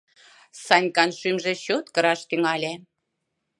Санькан шӱмжӧ чот кыраш тӱҥале.